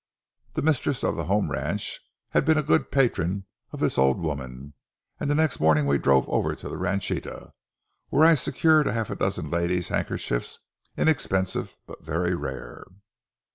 The mistress of the home ranch had been a good patron of this old woman, and the next morning we drove over to the ranchita, where I secured half a dozen ladies' handkerchiefs, inexpensive but very rare.